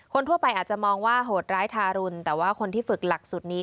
คนทั่วไปอาจจะมองว่าโหดร้ายทารุณแต่ว่าคนที่ฝึกหลักสุดนี้